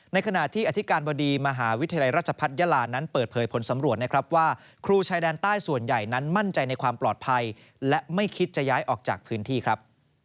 ขณะที่อธิการบดีมหาวิทยาลัยราชพัฒนยาลานั้นเปิดเผยผลสำรวจนะครับว่าครูชายแดนใต้ส่วนใหญ่นั้นมั่นใจในความปลอดภัยและไม่คิดจะย้ายออกจากพื้นที่ครับ